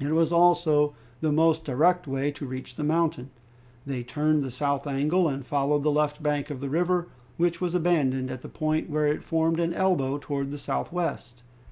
It was also the most direct way to reach the mountain. They turned the south angle and followed the left bank of the river, which was abandoned at the point where it formed an elbow towards the southwest.